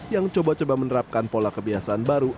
yang coba coba menerapkan pola kebiasaan baru